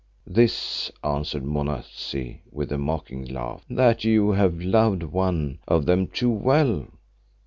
"This," answered Monazi with a mocking laugh, "that you have loved one of them too well.